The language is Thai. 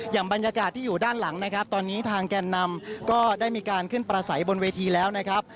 บรรยากาศที่อยู่ด้านหลังนะครับตอนนี้ทางแก่นนำก็ได้มีการขึ้นประสัยบนเวทีแล้วนะครับ